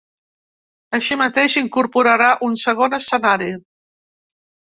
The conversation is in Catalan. Així mateix, incorporarà un segon escenari.